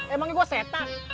emangnya gue setan